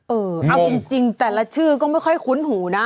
เออเอาจริงแต่ละชื่อก็ไม่ค่อยคุ้นหูนะ